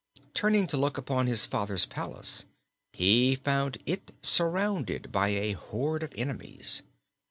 Turning to look upon his father's palace, he found it surrounded by a horde of enemies.